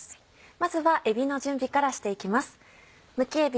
まずはえびの準備からしていきます。